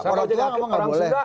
orang tua kamu nggak boleh